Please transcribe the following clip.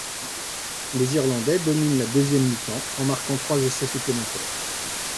Les Irlandais dominent la deuxième mi-temps en marquant trois essais supplémentaires.